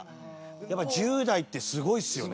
やっぱ１０代ってすごいですよね。